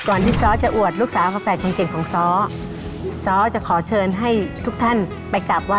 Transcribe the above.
คือเราต้องให้เขาก่อน